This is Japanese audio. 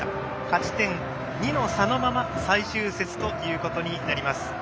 勝ち点２の差のまま最終節ということになります。